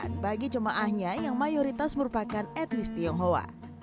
bukan kenyamanan bagi jemaahnya yang mayoritas merupakan etnis tionghoa